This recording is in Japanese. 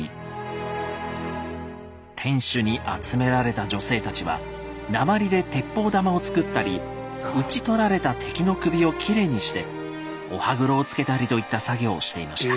天守に集められた女性たちは鉛で鉄砲玉を作ったり討ち取られた敵の首をきれいにしてお歯黒をつけたりといった作業をしていました。